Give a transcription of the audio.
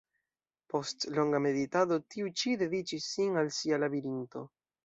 Post longa meditado, tiu ĉi dediĉis sin al sia "Labirinto".